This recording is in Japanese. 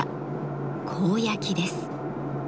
「甲焼き」です。